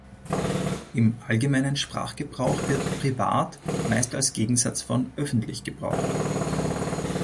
Im allgemeinen Sprachgebrauch wird privat meist als Gegensatz von „öffentlich“ gebraucht.